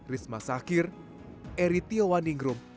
risma sakir eri tio waningrum